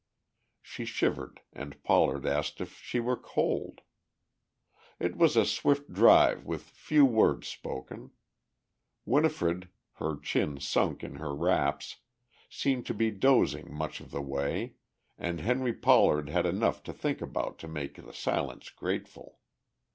She shivered and Pollard asked if she were cold. It was a swift drive with few words spoken. Winifred, her chin sunk in her wraps, seemed to be dozing much of the way, and Henry Pollard had enough to think about to make the silence grateful.